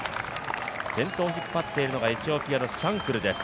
先頭を引っ張っているのがエチオピアのシャンクルです。